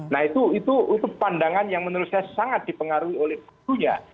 nah itu pandangan yang menurut saya sangat dipengaruhi oleh gurunya